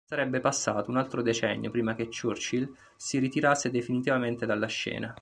Sarebbe passato un altro decennio prima che Churchill si ritirasse definitivamente dalla scena.